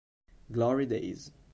Glory Days